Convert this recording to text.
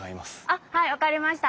あっはい分かりました。